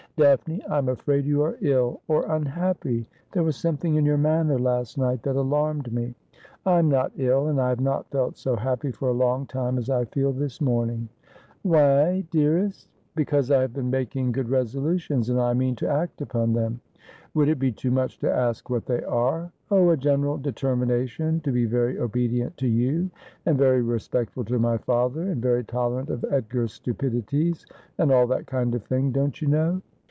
' Daphne, I am afraid you are ill — or unhappy. There was something in your manner last night that alarmed me.' ' I am not ill ; and I have not felt so happy for a long time as I feel this morning.' ' Why, dearest ?'' Because I have been making good resolutions, and I mean to act upon them.' 'Would it be too much to ask what they are ?'' Oh, a general determination to be very obedient to you, and very respectful to my father, and very tolerant of Edgar's stupidities, and all that kind of thing, don't you know